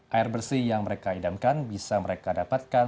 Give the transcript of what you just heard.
air bersih yang mereka idamkan bisa mereka dapatkan